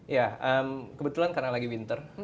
ya kebetulan karena lagi winter